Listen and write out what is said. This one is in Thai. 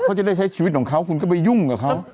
เขาจะได้ใช้ชีวิตของเขาคุณก็ไปยุ่งกับเขา